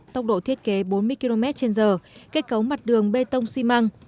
tốc độ thiết kế bốn mươi km trên giờ kết cấu mặt đường bê tông xi măng